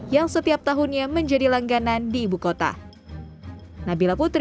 yang setiap tahunnya menjadi langganan di ibukota